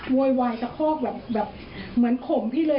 โวยวายสะครอกเหมือนข่มพี่เลย